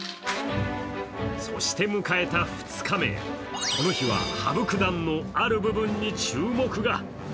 そして迎えた２日目、この日は羽生九段のある部分に注目が。